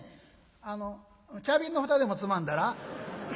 「あの茶瓶の蓋でもつまんだら？」。